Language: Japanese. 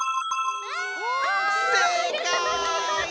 せいかい！